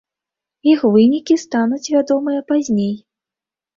Іх вынікі стануць вядомыя пазней.